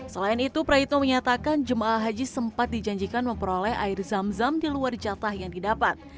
selain itu praitno menyatakan jemaah haji sempat dijanjikan memperoleh air zam zam di luar jatah yang didapat